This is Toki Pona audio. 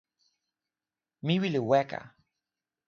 mi wile weka.